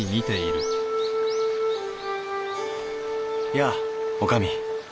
やあおかみ。